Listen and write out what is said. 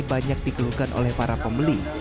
banyak dikeluhkan oleh para pembeli